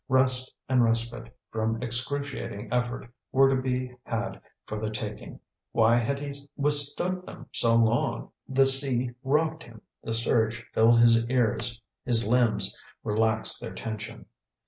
Rest and respite from excruciating effort were to be had for the taking why had he withstood them so long? The sea rocked him, the surge filled his ears, his limbs relaxed their tension.